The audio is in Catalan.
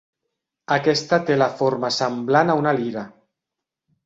Aquesta té la forma semblant a una lira.